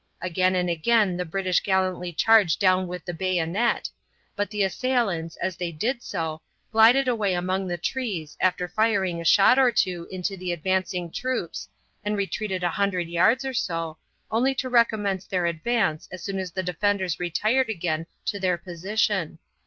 Again and again the British gallantly charged down with the bayonet, but the assailants, as they did so, glided away among the trees after firing a shot or two into the advancing troops, and retreated a hundred yards or so, only to recommence their advance as soon as the defenders retired again to their position.